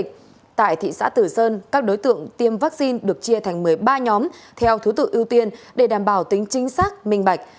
tại thị xã tử sơn các đối tượng tiêm vaccine được chia thành một mươi ba nhóm theo thứ tự ưu tiên để đảm bảo tính chính xác minh bạch